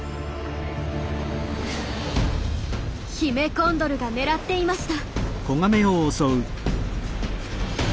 ヒメコンドルが狙っていました。